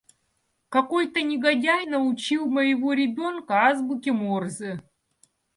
Какой-то негодяй научил моего ребёнка азбуке Морзе.